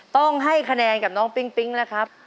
ต้องให้คะแนนกับน้องปิ๊งปิ๊งนะครับ